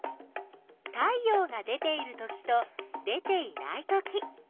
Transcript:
太陽が出ているときと出ていないとき。